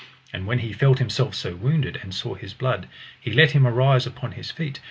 And when he felt himself so wounded, and saw his blood, he let him arise upon his feet.